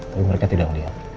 tapi mereka tidak melihat